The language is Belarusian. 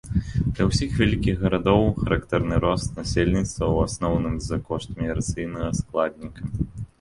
Для ўсіх вялікіх гарадоў характэрны рост насельніцтва ў асноўным за кошт міграцыйнага складніка.